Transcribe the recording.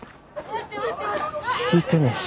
聞いてねえし。